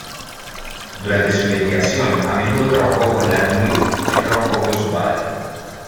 Durante su investigación, a menudo trabajó con Langmuir, que trabajó con su padre.